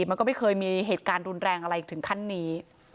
มันก็ไม่เคยมีเหตุการณ์รุนแรงอะไรถึงขั้นนี้